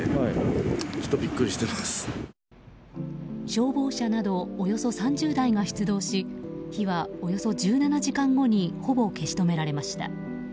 消防車などおよそ３０台が出動し火はおよそ１７時間後にほぼ消し止められました。